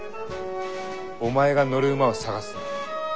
お前が乗る馬を探すんだ。